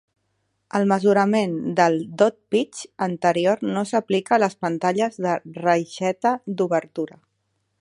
El mesurament del "dot pitch" anterior no s'aplica a les pantalles de reixeta d'obertura.